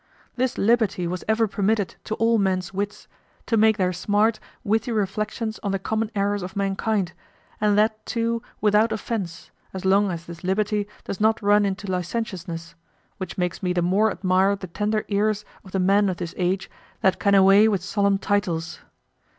This liberty was ever permitted to all men's wits, to make their smart, witty reflections on the common errors of mankind, and that too without offense, as long as this liberty does not run into licentiousness; which makes me the more admire the tender ears of the men of this age, that can away with solemn titles.